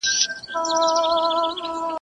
څوک چي ستوان خوري شپېلۍ نه وهي ..